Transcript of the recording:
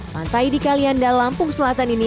pantai di kalian dan lampung selatan ini